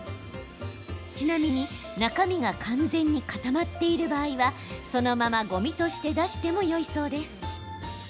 ちなみに中身が完全に固まっている場合はそのまま、ごみとして出してもよいそうです。